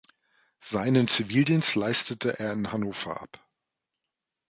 Seinen Zivildienst leistete er in Hannover ab.